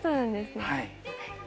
はい。